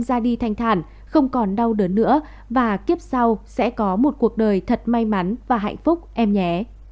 ra đi thanh thản không còn đau đớn nữa và kiếp sau sẽ có một cuộc đời thật may mắn và hạnh phúc em nhé